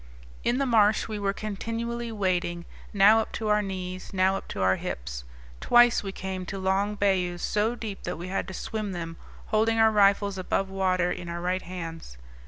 In the marsh we were continually wading, now up to our knees, now up to our hips. Twice we came to long bayous so deep that we had to swim them, holding our rifles above water in our right hands.